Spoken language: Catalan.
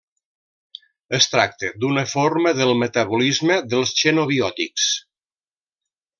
Es tracta d'una forma del metabolisme dels xenobiòtics.